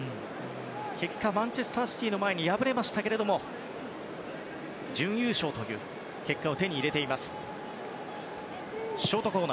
結果はマンチェスター・シティーの前に敗れましたけれども準優勝という結果を手に入れています。